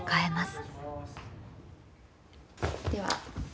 では。